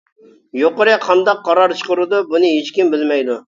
يۇقىرى قانداق قارار چىقىرىدۇ، بۇنى ھېچكىم بىلمەيدۇ.